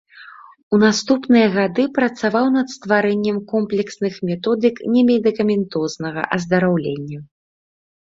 У наступныя гады працаваў над стварэннем комплексных методык немедыкаментознага аздараўлення.